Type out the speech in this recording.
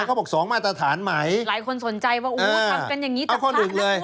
เขาบอก๒มาตรฐานใหม่หลายคนสนใจว่าอู๋ทำกันอย่างนี้จัดการนะคุณ